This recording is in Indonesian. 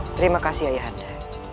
terima kasih ayahanda